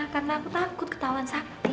karena aku takut ketahuan sakti